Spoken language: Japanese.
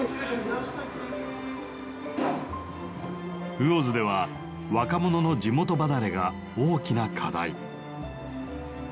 魚津では若者の地元離れが大きな課題。